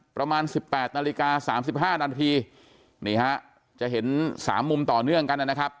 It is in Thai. ประมาณ๑๘นาฬิกา๓๕นาทีนี่ฮะจะเห็น๓มุมต่อเนื่องกันนะครับ